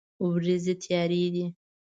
ورېځې تیارې دي